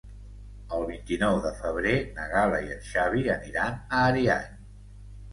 El vint-i-nou de febrer na Gal·la i en Xavi aniran a Ariany.